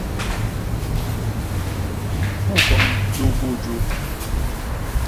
Pú gɔm togojò.